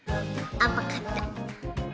甘かった！